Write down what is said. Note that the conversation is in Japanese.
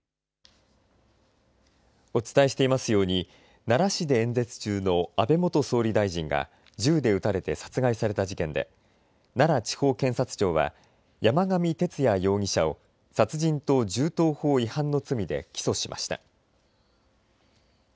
お伝えしていますように奈良市で演説中の安倍元総理大臣が銃で撃たれて殺害された事件で奈良地方検察庁は山上徹也容疑者を殺人と銃刀法違反の罪で起訴しました。